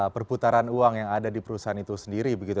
perputaran uang yang ada di perusahaan itu sendiri begitu